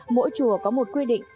mỗi chùa có một quy định